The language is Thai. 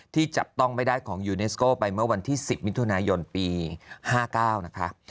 ที่จับต้องไม่ได้ของยูเนสโก้ไปเมื่อวันที่๑๐มิถุนายนปี๕๙นะคะ